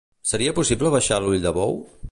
Seria possible abaixar l'ull de bou?